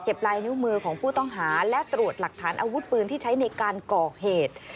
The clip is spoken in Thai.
ลายนิ้วมือของผู้ต้องหาและตรวจหลักฐานอาวุธปืนที่ใช้ในการก่อเหตุ